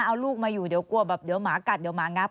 เอาลูกมาอยู่เดี๋ยวกลัวแบบเดี๋ยวหมากัดเดี๋ยวหมางับ